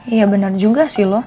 iya benar juga sih lo